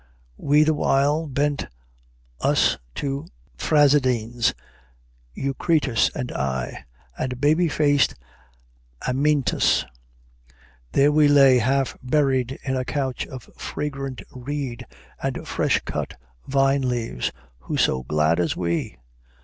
We the while Bent us to Phrasydene's, Eucritus and I, And baby faced Amyntas: there we lay Half buried in a couch of fragrant reed And fresh cut vine leaves, who so glad as we?